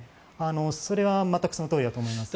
それは全くそのとおりだと思います。